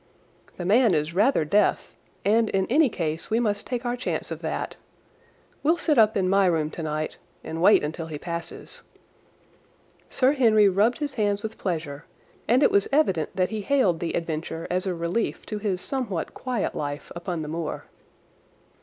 "The man is rather deaf, and in any case we must take our chance of that. We'll sit up in my room tonight and wait until he passes." Sir Henry rubbed his hands with pleasure, and it was evident that he hailed the adventure as a relief to his somewhat quiet life upon the moor.